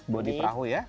bodi perahu ya